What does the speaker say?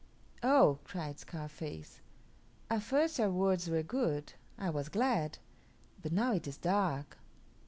"Oh!" cried Scarface; "at first your words were good. I was glad. But now it is dark.